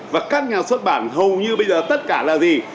và các nhà xuất bản hầu như bây giờ tất cả là gì